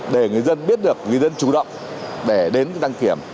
để người dân biết được người dân chủ động để đến đăng kiểm